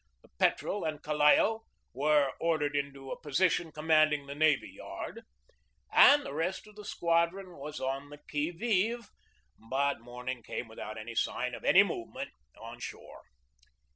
The Petrel and Callao were ordered into a position commanding the navy yard, and the rest of the squadron was on the qui vive; but morning came without a sign of any movement on shore.